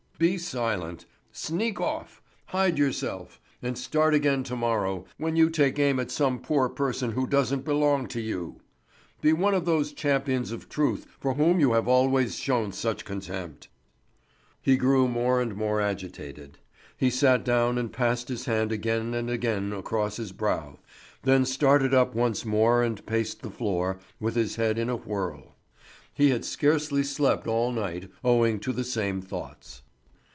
Be silent! Sneak off! Hide yourself! And start again to morrow, when you take aim at some poor person who doesn't belong to you! Be one of those champions of truth for whom you have always shown such contempt!" He grew more and more agitated. He sat down and passed his hand again and again across his brow, then started up once more and paced the floor, with his head in a whirl. He had scarcely slept all night owing to the same thoughts.